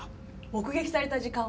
目撃された時間は？